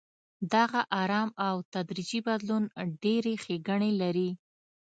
دغه ارام او تدریجي بدلون ډېرې ښېګڼې لري.